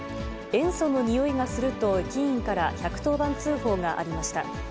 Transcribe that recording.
塩素のにおいがすると駅員から１１０番通報がありました。